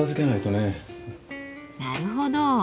なるほど。